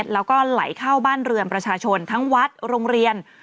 แล้วก็ไหลเข้าบ้านเรือนประชาชนทั้งวัดโรงเรียน